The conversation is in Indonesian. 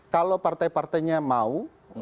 kalau partai partainya mau